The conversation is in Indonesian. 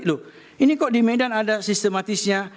loh ini kok di medan ada sistematisnya